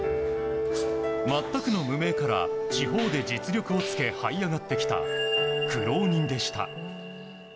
全くの無名から地方で実力をつけはい上がってきた苦労人でした。